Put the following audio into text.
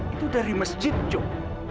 itu dari masjid jok